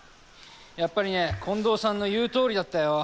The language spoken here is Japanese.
やっぱりね近藤さんの言うとおりだったよ。